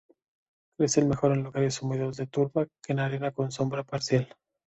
Crecen mejor en lugares húmedos de turba en arena con sombra parcial.